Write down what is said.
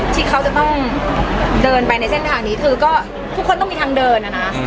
ที่เขาจะต้องเดินไปในเส้นทางนี้คือก็ทุกคนต้องมีทางเดินนะนะ